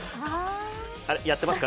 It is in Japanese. あれ、やってますか？